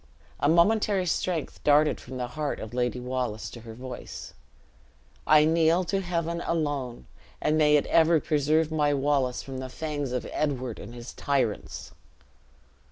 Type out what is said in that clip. A momentary strength darted from the heart of Lady Wallace to her voice, "I kneel to Heaven alone, and may it ever preserve my Wallace from the fangs of Edward and his tyrants!"